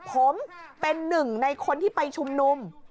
ผมเป็นหนึ่งในคนที่ไปชุมนุม